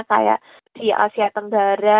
kayak di asia tenggara